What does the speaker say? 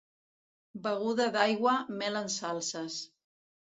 Beguda d'aigua, mel en salses.